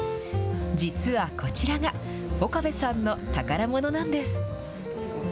実はこちらが、岡部さんの宝物なんです。